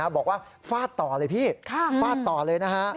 ฟาดต่อเลยพี่ฟาดต่อเลยนะฮะ